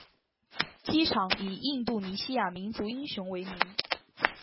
机场以印度尼西亚民族英雄为名。